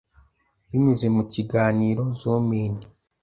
binyuze mu kiganiro ‘Zoom in’